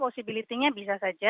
artinya bisa saja